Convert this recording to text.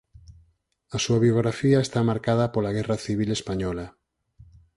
A súa biografía está marcada pola guerra civil española.